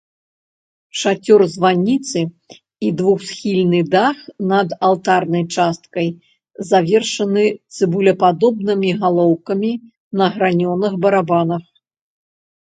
Шацёр званіцы і двухсхільны дах над алтарнай часткай завершаны цыбулепадобнымі галоўкамі на гранёных барабанах.